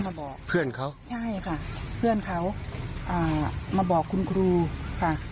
มาบอกเพื่อนเขาใช่ค่ะเพื่อนเขาอ่ามาบอกคุณครูค่ะ